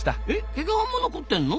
毛皮も残ってんの？